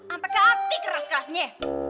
ampe kati keras kerasnya